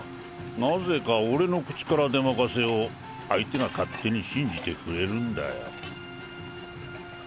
なぜか俺の口からでまかせを相手が勝手に信じてくれるんだよ。